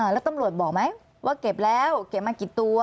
แล้วตำรวจบอกไหมว่าเก็บแล้วเก็บมากี่ตัว